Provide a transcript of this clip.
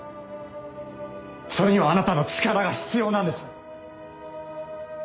それにはあなたの力が必要なんです！